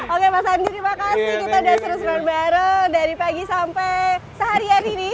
oke pak sandi terima kasih kita sudah terus berbicara bareng dari pagi sampai seharian ini